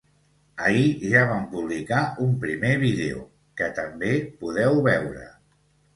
Ahir ja vam publicar un primer vídeo, que també podeu veure.